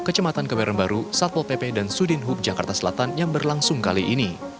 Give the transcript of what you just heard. kecematan keberanbaru satpol pp dan sudin huk jakarta selatan yang berlangsung kali ini